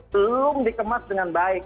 jadi kemas dengan baik